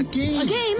ゲーム。